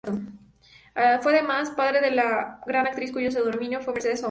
Fue además, padre de la gran actriz cuyo seudónimo fue Mercedes Sombra.